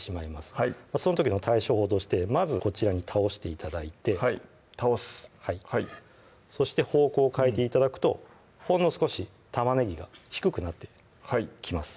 はいその時の対処法としてまずこちらに倒して頂いてはい倒すはいそして方向を変えて頂くとほんの少し玉ねぎが低くなってきます